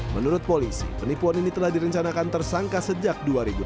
menurut polisi penipuan ini telah direncanakan tersangka sejak dua ribu enam belas